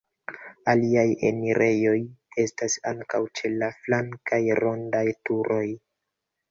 Aliaj enirejoj estas ankaŭ ĉe la flankaj rondaj turoj.